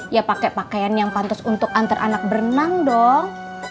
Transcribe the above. ya pakai pakaian yang pantas untuk antar anak berenang dong